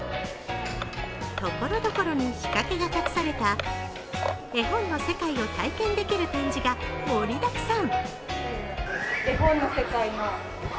ところどころに仕掛けが隠された絵本の世界を体験できる展示が盛りだくさん。